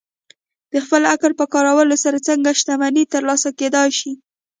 د خپل عقل په کارولو سره څنګه شتمني ترلاسه کېدای شي؟